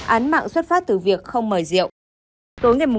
án mạng xuất phát từ việc không mở rượu